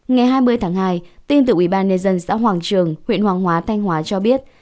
ngày hai mươi tháng hai tin từ ubnd xã hoàng trường huyện hoàng hóa thanh hóa cho biết